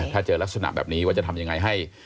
ถ้าเจอลักษณะแบบนี้ว่าจะทำยังไงให้